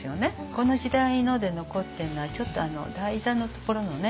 この時代ので残ってるのはちょっと台座のところのね